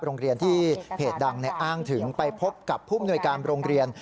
โรงเรียนที่เพจดังอ้างถึงไปพบกับผู้มนวยการโรงเรียน